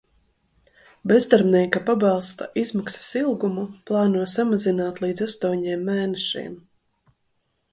Bezdarbnieka pabalsta izmaksas ilgumu plāno samazināt līdz astoņiem mēnešiem.